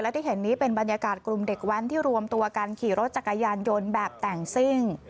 ที่เห็นนี้เป็นบรรยากาศกลุ่มเด็กแว้นที่รวมตัวกันขี่รถจักรยานยนต์แบบแต่งซิ่ง